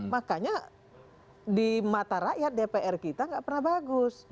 makanya di mata rakyat dpr kita nggak pernah bagus